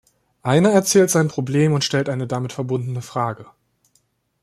Einer erzählt sein Problem und stellt eine damit verbundene Frage.